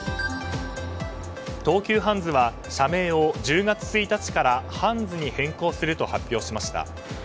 東急ハンズは社名を１０月１日からハンズに変更すると発表しました。